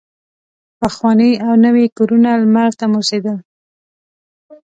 پخواني او نوي کورونه لمر ته موسېدل.